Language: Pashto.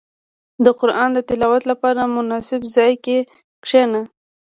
• د قران د تلاوت لپاره، مناسب ځای کې کښېنه.